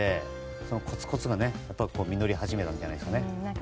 そのコツコツが実り始めたんじゃないでしょうか。